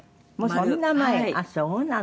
あっそうなの。